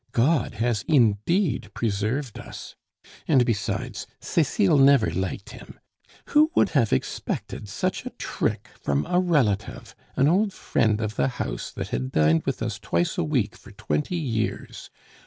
God has indeed preserved us! And besides, Cecile never liked him.... Who would have expected such a trick from a relative, an old friend of the house that had dined with us twice a week for twenty years?